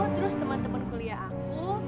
teman teman kuliah aku